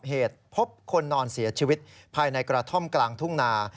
เหตุพบคนนอนเสียชีวิตภายในกระท่อมกลางทุ่งนา